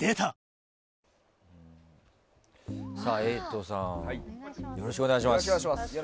瑛人さんよろしくお願いします。